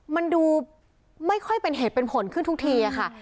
มันดูไม่ค่อยเป็นเหตุเป็นผลขึ้นทุกทีค่ะ